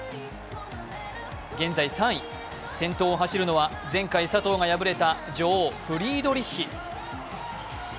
現在３位、先頭を走るのは前回、佐藤が敗れた女王・フリードリッヒ。